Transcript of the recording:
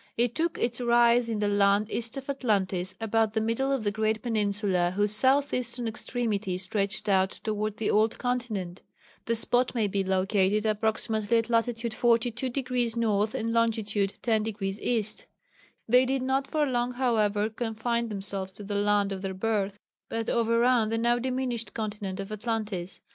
It took its rise in the land east of Atlantis, about the middle of the great peninsula whose south eastern extremity stretched out towards the old continent. The spot may be located approximately at latitude 42° North and longitude 10° East. They did not for long, however, confine themselves to the land of their birth, but overran the now diminished continent of Atlantis.